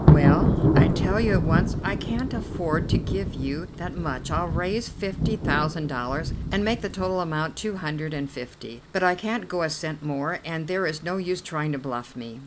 Well, I tell you at once I can't afford to give that much. I'll raise fifty thousand dollars, and make the total amount two hundred and fifty; but I can't go a cent more, and there is no use trying to bluff me."